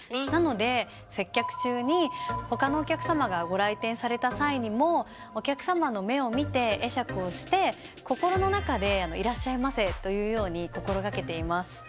なので接客中に他のお客様がご来店された際にもお客様の目を見て会釈をして心の中で「いらっしゃいませ」と言うように心がけています。